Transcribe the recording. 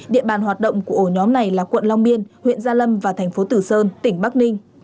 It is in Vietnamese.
địa bàn hoạt động của ổ nhóm này là quận long biên huyện gia lâm và thành phố tử sơn tỉnh bắc ninh